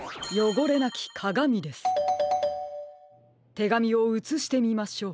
てがみをうつしてみましょう。